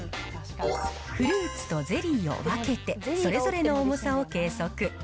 フルーツとゼリーを分けて、それぞれの重さを計測。